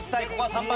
３番。